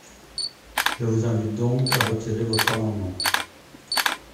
Je vous invite donc à retirer votre amendement.